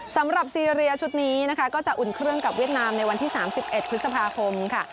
สำหรับซีเรียชุดนี้นะคะก็จะอุ่นเครื่องกับเวียดนามในวันที่๓๑พฤษภาคมค่ะ